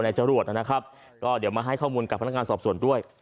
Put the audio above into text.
จรวดนะครับก็เดี๋ยวมาให้ข้อมูลกับพนักงานสอบสวนด้วย